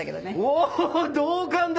おぉ同感だ！